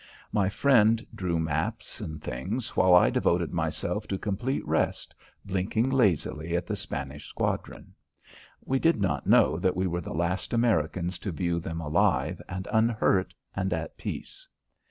My friend drew maps and things while I devoted myself to complete rest, blinking lazily at the Spanish squadron. We did not know that we were the last Americans to view them alive and unhurt and at peace.